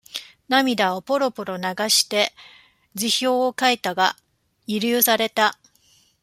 涙をポロポロ流して辞表を書いたが、慰留された。